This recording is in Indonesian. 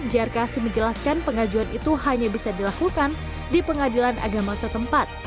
jarkasi menjelaskan pengajuan itu hanya bisa dilakukan di pengadilan agama setempat